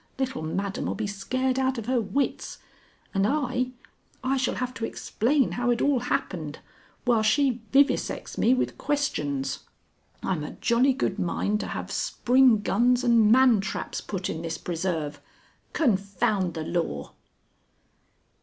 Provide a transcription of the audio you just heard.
Little Madam'll be scared out of her wits. And I ... I shall have to explain how it all happened. While she vivisects me with questions. "I'm a jolly good mind to have spring guns and man traps put in this preserve. Confound the Law!"